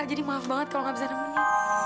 jadi maaf banget kalau gak bisa nemuinya